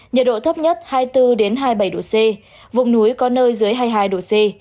nhiệt độ thấp nhất hai mươi bốn hai mươi bảy độ c vùng núi có nơi dưới hai mươi hai độ c